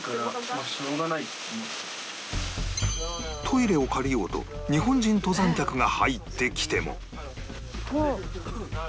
トイレを借りようと日本人登山客が入ってきても